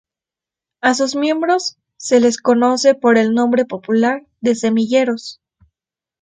A sus miembros de les conoce por el nombre popular de semilleros.